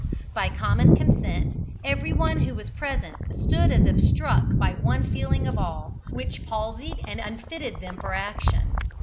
By common consent everyone who was present stood as if struck by one feeling of awe, which palsied and unfitted them for action.